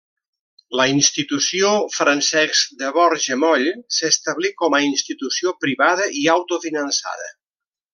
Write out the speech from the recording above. La Institució Francesc de Borja Moll s'establí com a institució privada i autofinançada.